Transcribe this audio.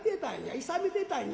いさめてたんや。